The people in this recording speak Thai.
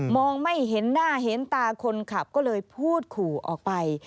ไม่เห็นหน้าเห็นตาคนขับก็เลยพูดขู่ออกไป